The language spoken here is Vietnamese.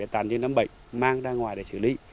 tàn chứ nấm bành mang ra ngoài để xử lý